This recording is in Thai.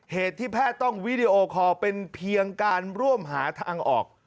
เหตุที่แพทย์ต้องวิดีโอคอลเป็นเพียงการร่วมหาทางออก